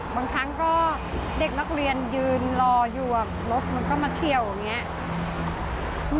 บางครั้งก็เด็กนักเรียนยืนรออยู่รถมันก็มาเฉียวอย่างนี้